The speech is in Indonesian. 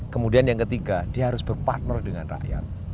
kemudian yang ketiga dia harus berpartner dengan rakyat